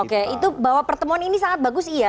oke itu bahwa pertemuan ini sangat bagus iya